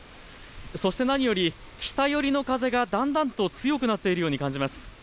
そして何より、北寄りの風がだんだんと強くなっているように感じます。